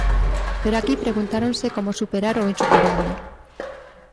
Pero aquí preguntáronse como superar o insuperable.